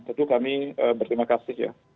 tentu kami berterima kasih ya